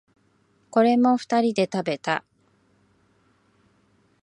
これも二人で食べた。